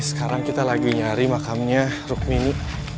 sekarang kita lagi nyari makamnya rukmini